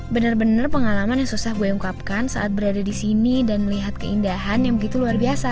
bener bener pengalaman yang susah gue ungkapkan saat berada disini dan melihat keindahan yang begitu luar biasa